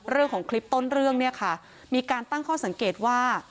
เรื่องของคลิปต้นเรื่องเนี่ยค่ะมีการตั้งข้อสังเกตว่า